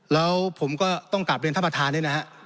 แล้วผมก็ต้องกลับเล่นท่านประธานนะครับ